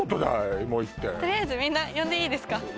「エモい」ってとりあえずみんな呼んでいいですか？